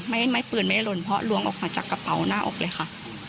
ไม่ปืนไม่ได้ลนเพราะล้วงออกมาจากกระเป๋าหน้าอกเลยค่ะ